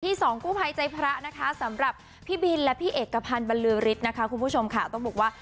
ที่๒คู่ภัยใจพระนะครับสำหรับพี่บิลและพี่เอกพันธุ์บำลือฤทธิ์นะคุณผู้ชมขาต้องบอกว่า